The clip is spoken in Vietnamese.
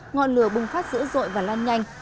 ngọn lửa bùng phát dữ dội và lan nhanh